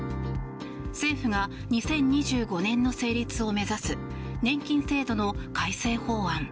政府が２０２５年の成立を目指す年金制度の改正法案。